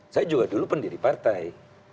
saya juga dulu pendiri partai